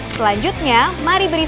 selanjutnya mari berisik